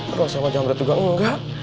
terus sama jamret juga enggak